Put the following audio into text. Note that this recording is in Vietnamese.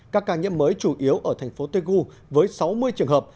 các ca nhiễm mới chủ yếu ở thành phố tây gu với sáu mươi trường hợp